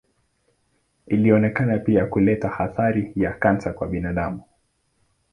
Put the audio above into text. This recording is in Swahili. Ilionekana pia kuleta hatari ya kansa kwa binadamu.